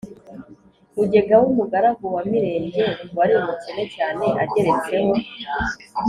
Bugegera w’umugaragu wa Mirenge wari umukene cyane ageretseho